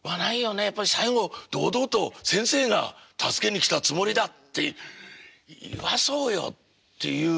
やっぱり最後堂々と先生が「助けに来たつもりだ」って言わそうよっていう。